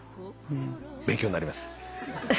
勉強になります。